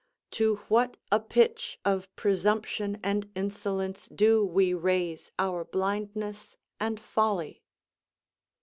To what a pitch of presumption and insolence do we raise our blindness and folly!